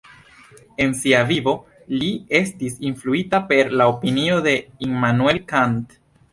En sia vivo li estis influita per la opinio de Immanuel Kant.